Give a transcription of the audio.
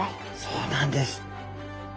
そうなんです。